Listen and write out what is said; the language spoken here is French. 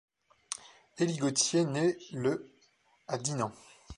Élie Gautier naît le à Dinan.